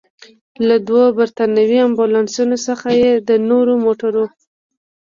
له دوو برتانوي امبولانسونو څخه، چې د نورو موټرو.